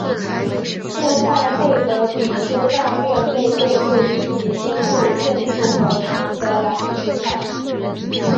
现在惠特比修道院被列入一级登录建筑和英格兰遗产。